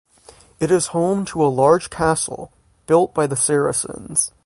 It is home to a large castle, built by the Saracens.